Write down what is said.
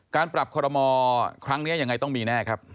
การปรับคอรมอครั้งนี้ยังไงต้องมีแน่ครับ